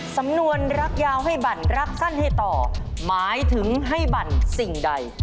สำนวนรักยาวให้บั่นรักสั้นให้ต่อหมายถึงให้บั่นสิ่งใด